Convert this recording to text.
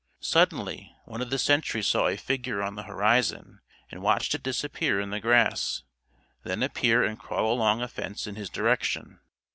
Suddenly one of the sentries saw a figure on the horizon and watched it disappear in the grass, then appear and crawl along a fence in his direction.